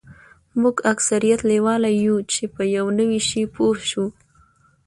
موږ اکثریت لیواله یوو چې په یو نوي شي پوه شو